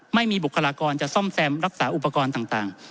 บุคลากรจะซ่อมแซมรักษาอุปกรณ์ต่าง